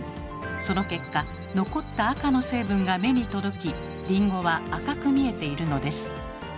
その結果残った赤の成分が目に届きりんごは赤く見えているのです。